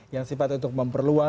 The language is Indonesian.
yang sifat untuk memperluas